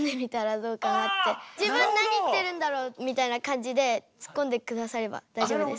自分何言ってるんだろうみたいな感じでツッコんでくだされば大丈夫です。